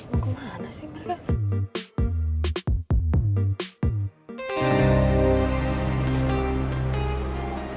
mau kemana sih mereka